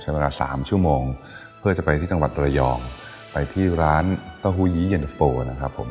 เวลาสามชั่วโมงเพื่อจะไปที่จังหวัดระยองไปที่ร้านเต้าหู้ยี้เย็นโฟนะครับผม